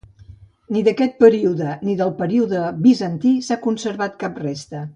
Ni d'aquest període ni del període bizantí s'ha conservat cap resta.